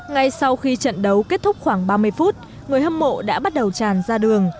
ngay sau khi trận đấu kết thúc khoảng ba mươi phút người hâm mộ đã bắt đầu tràn ra đường